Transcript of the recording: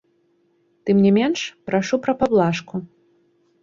Тым не менш, прашу пра паблажку.